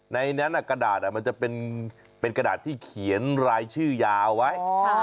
ในนั้นกระดาษมันจะเป็นกระดาษที่เขียนรายชื่อยาวไว้